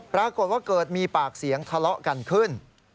ปรากฏว่าเกิดมีปากเสียงทะเลาะกันขึ้น